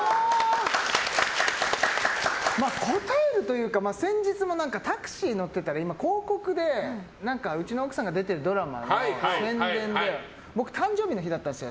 こたえるというか先日もタクシーに乗ってたら今、広告で、うちの奥さんが出てるドラマの宣伝で僕、誕生日の日だったんですよ。